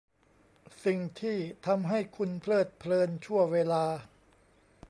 สิ่งที่ทำให้คุณเพลิดเพลินชั่วเวลา